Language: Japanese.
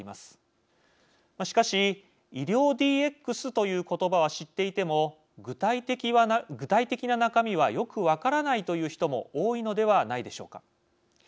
しかし医療ＤＸという言葉は知っていても具体的な中身はよく分からないという人も多いのではないでしょうか。